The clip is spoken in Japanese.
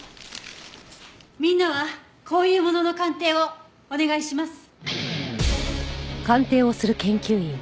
みんなはこういうものの鑑定をお願いします。